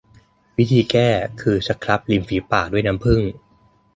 วิธีแก้ก็คือสครับริมฝีปากด้วยน้ำผึ้ง